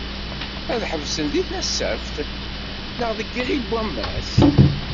Ad ḥebsen deg Tasaft neɣ deg Iɣil n wammas?